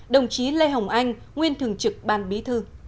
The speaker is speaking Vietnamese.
đồng chí lê hồng anh nguyên thường trực ban bí thư